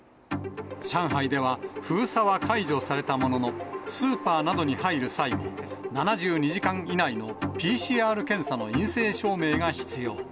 上海では、封鎖は解除されたものの、スーパーなどに入る際に、７２時間以内のＰＣＲ検査の陰性証明が必要。